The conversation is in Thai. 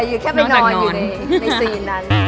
แม้อยู่แค่ไปนอนอยู่เด้นในซีนอ่ะนั้นค่ะ